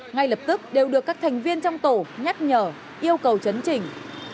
ngay lập tức đều được các thành viên trong tổ nhắc nhở yêu cầu chấn trình